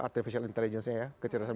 artificial intelligence nya ya kecerdasan